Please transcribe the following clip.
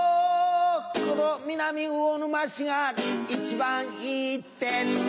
この南魚沼市が一番いいって